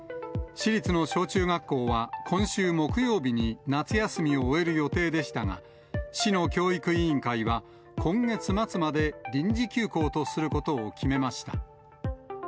市立の小中学校は、今週木曜日に夏休みを終える予定でしたが、市の教育委員会は、今月末まで臨時休校とすることを決めました。